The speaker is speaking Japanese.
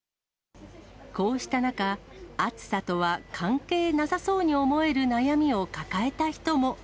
こうした中、暑さとは関係なさそうに思える悩みを抱えた人も。